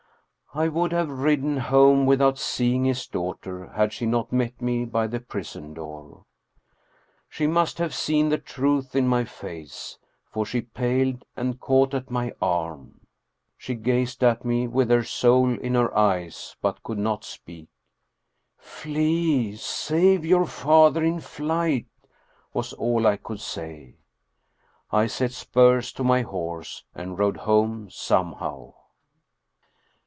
I would have ridden home without seeing his daughter had she not met me by the prison door. She must have seen the truth in my face, for she paled and caught at my arm. She gazed at me with her soul in her eyes, but could not speak, " Flee ! Save your father in flight !" was all I could say. I set spurs to my horse and rode home somehow.